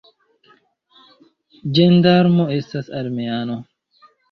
Ĝendarmo estas armeano.